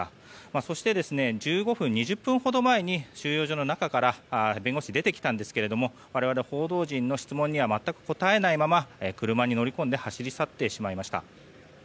そして１５分、２０分ほど前に収容所の中から弁護士が出てきたんですが我々報道陣の質問には全く答えないまま車に乗り込んで走り去ってしまいました。